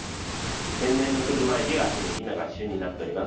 天然のクルマエビは今が旬になっております。